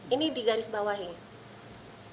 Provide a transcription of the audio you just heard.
ini di garis bawahnya